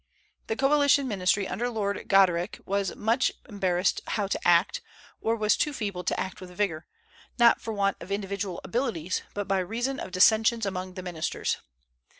The coalition ministry under Lord Goderich was much embarrassed how to act, or was too feeble to act with vigor, not for want of individual abilities, but by reason of dissensions among the ministers.